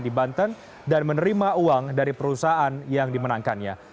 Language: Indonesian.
di banten dan menerima uang dari perusahaan yang dimenangkannya